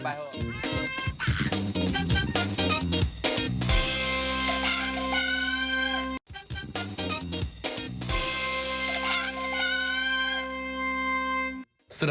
ไปเถอะ